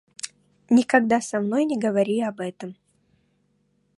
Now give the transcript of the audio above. Никогда со мной не говори об этом.